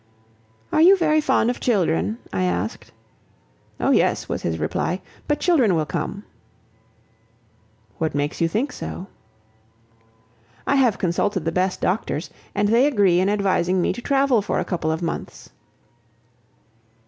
"Are you very fond of children?" I asked. "Oh, yes!" was his reply; "but children will come!" "What makes you think so?" "I have consulted the best doctors, and they agree in advising me to travel for a couple of months."